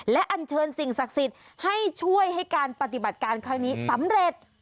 และอันเชิญสิ่งศักดิ์สิทธิ์ให้ช่วยให้การปฏิบัติการครั้งนี้สำเร็จ